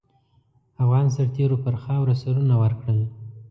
افغان سرتېرو پر خاوره سرونه ورکړل.